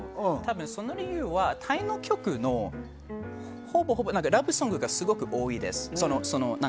その理由は、タイの曲はラブソングがすごく多いです。